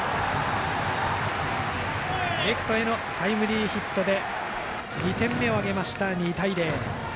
レフトへのタイムリーヒットで２点目を挙げました、２対０。